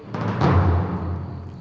aku tidak suka ucapan seperti itu